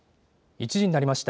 １時になりました。